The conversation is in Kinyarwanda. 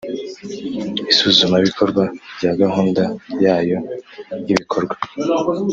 isuzumabikorwa rya gahunda yayo y ibikorwa